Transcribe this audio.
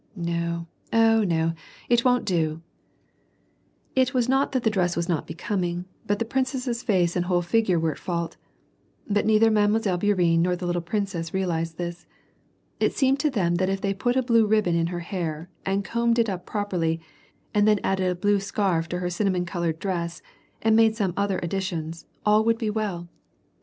no, oh, no ! it won't do !" It was not that the dress was not becoming, but the princess's face and whole figure were at fault ; but neither Mile. Bouri enne or the little princess realized this. It seemed to them that if they put a blue ribbon in her hair, and combed it up properly, and then added a blue scarf tb her cinnamon colored dress, and made some other such additions, all would be well.